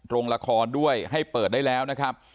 โรงละครด้วยให้เปิดได้แล้วนะครับ